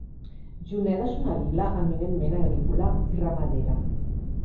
Juneda és una vila eminentment agrícola i ramadera.